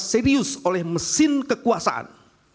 serius oleh mesin kekuasaan